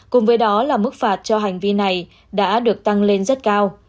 cùng với đó là mức phạt cho hành vi này đã được tăng lên rất cao